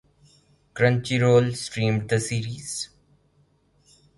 Crunchyroll streamed the series.